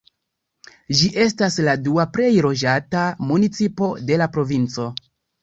Ĝi estas la dua plej loĝata municipo de la provinco.